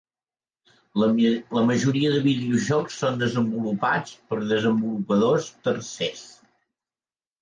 La majoria de videojocs són desenvolupats per desenvolupadors tercers.